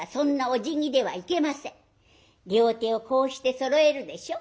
両手をこうしてそろえるでしょ。